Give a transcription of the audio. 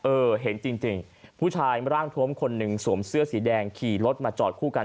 เห็นจริงผู้ชายร่างทวมคนหนึ่งสวมเสื้อสีแดงขี่รถมาจอดคู่กัน